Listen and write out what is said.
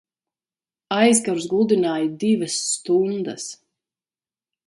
Aizkarus gludināju divas stundas!